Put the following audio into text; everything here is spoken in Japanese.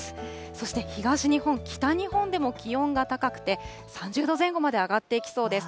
そして東日本、北日本でも気温が高くて、３０度前後まで上がっていきそうです。